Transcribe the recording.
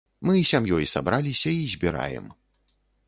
Мы сям'ёй сабраліся і збіраем.